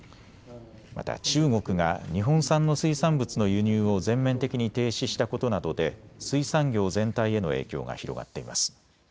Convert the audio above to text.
また中国が日本産の水産物の輸入を全面的に停止したことなどで水産業全体への影響が広がっています。